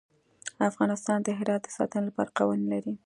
افغانستان د هرات د ساتنې لپاره قوانین لري.